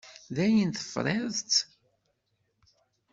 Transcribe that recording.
Dayen tefriḍ-tt?